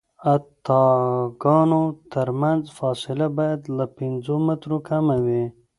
د اتکاګانو ترمنځ فاصله باید له پنځو مترو کمه وي